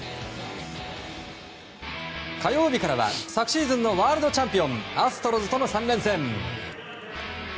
火曜日からは昨シーズンのワールドチャンピオンアストロズとの３連戦。